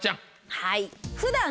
はい。